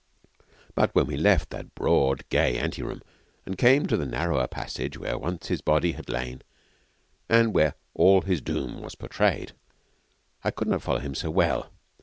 But when we left that broad, gay ante room and came to the narrower passage where once his body had lain and where all his doom was portrayed, I could not follow him so well.